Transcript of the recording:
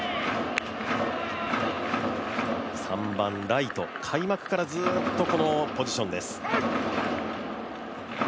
３番、ライト開幕からずっとこのポジションです。